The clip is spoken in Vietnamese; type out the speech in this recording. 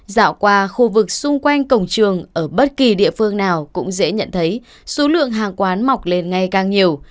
dạo qua khu vực xung quanh cổng trường ở bất kỳ địa phương nào cũng dễ nhận thấy số lượng hàng quán mọc lên ngay càng nhiều